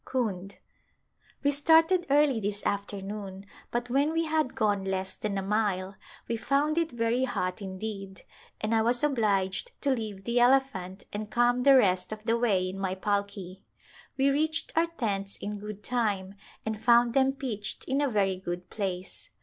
Kund. We started early this afternoon but when we had gone less than a mile we found it very hot indeed and I was obliged to leave the elephant and come the rest of the way in my palki. We reached our tents in good time and found them pitched in a very good place.